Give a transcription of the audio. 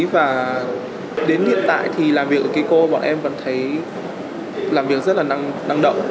và đến hiện tại thì làm việc ở kiko bọn em vẫn thấy làm việc rất là năng động